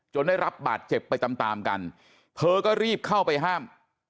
ได้รับบาดเจ็บไปตามตามกันเธอก็รีบเข้าไปห้าม